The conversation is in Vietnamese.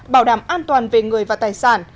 bảo đảm an toàn về người và tài sản